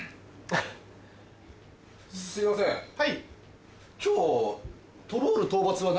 すいません今日。